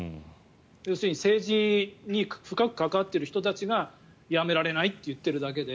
要するに政治に深く関わっている人たちがやめられないと言っているだけで。